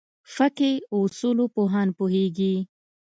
فقهې اصولو پوهان پوهېږي.